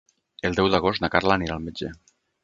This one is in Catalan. El deu d'agost na Carla anirà al metge.